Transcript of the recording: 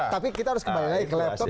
tapi kita harus kembali lagi ke laptop